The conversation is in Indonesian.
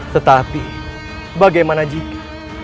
tetapi bagaimana jika